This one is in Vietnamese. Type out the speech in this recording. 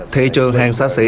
thị trường hàng xa xỉ